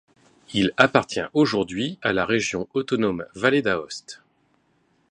Il appartient aujourd'hui à la région autonome Vallée d'Aoste.